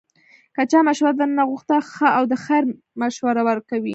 که چا مشوره درنه غوښته، ښه او د خیر مشوره ورکوئ